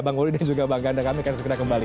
bang boli dan juga bang ganda kami akan segera kembali